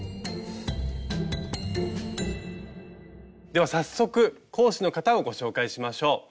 では早速講師の方をご紹介しましょう。